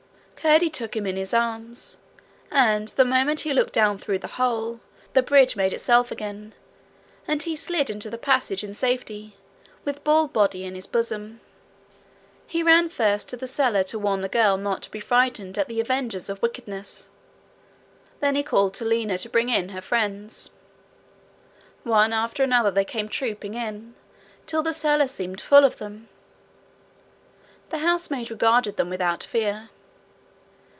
Curdie took him in his arms, and the moment he looked down through the hole, the bridge made itself again, and he slid into the passage in safety, with Ballbody in his bosom. He ran first to the cellar to warn the girl not to be frightened at the avengers of wickedness. Then he called to Lina to bring in her friends. One after another they came trooping in, till the cellar seemed full of them. The housemaid regarded them without fear.